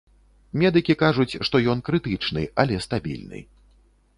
Медыкі кажуць, што ён крытычны, але стабільны.